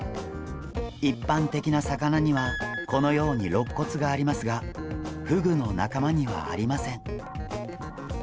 一般的な魚にはこのようにろっ骨がありますがフグの仲間にはありません。